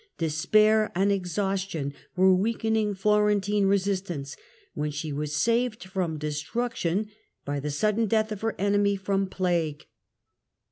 Despair and exhaustion were weakening Florentine resistance, when she was saved from destruction by the sudden death of her enemy Death of 1 1 1 J. J.1 i. CTiaii Gale f rom plague.